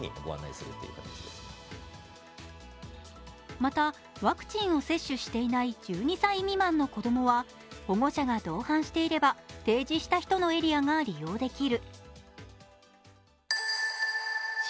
また、ワクチンを接種していない１２歳未満の子供は保護者が同伴していれば提示した人のエリアが利用できる。